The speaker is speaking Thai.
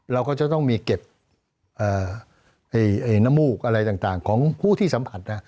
เราก็จะต้องมีเก็บน้ำมูกอะไรต่างของผู้ที่สัมผัส